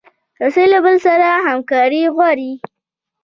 رسۍ له بل سره همکاري غواړي.